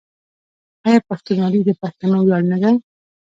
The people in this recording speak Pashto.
آیا پښتونولي د پښتنو ویاړ نه ده؟